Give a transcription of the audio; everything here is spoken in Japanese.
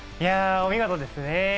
お見事ですね。